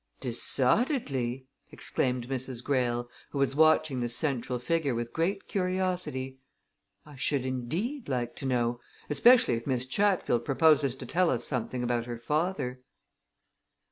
"Decidedly!" exclaimed Mrs. Greyle, who was watching the central figure with great curiosity. "I should indeed, like to know especially if Miss Chatfield proposes to tell us something about her father."